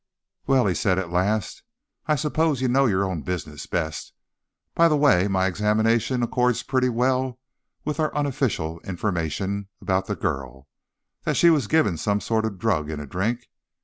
"Well," he said at last, "I suppose you know your own business best. By the way, my examination accords pretty well with our unofficial information about the girl—that she was given some sort of drug in a drink.